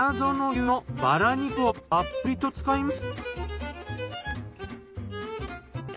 花園牛のバラ肉をたっぷりと使います。